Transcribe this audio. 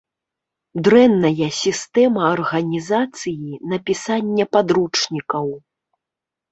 Дрэнная сістэма арганізацыі напісання падручнікаў.